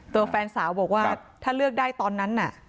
แฟนสาวบอกว่าถ้าเลือกได้ตอนนั้นน่ะ